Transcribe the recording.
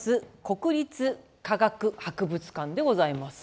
国立科学博物館でございます。